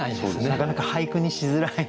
なかなか俳句にしづらい。